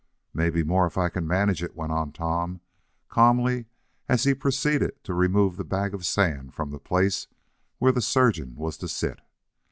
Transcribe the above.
"Maybe more, if I can manage it," went on Tom, calmly, as he proceeded to remove the bag of sand from the place where the surgeon was to sit.